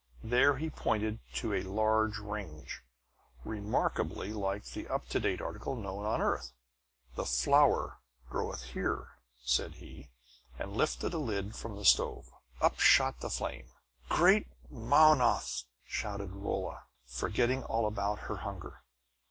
There he pointed to a large range, remarkably like the up to date article known on the earth. "The flower 'groweth' here," said he, and lifted a lid from the stove. Up shot the flame. "Great Mownoth!" shouted Holla, forgetting all about her hunger.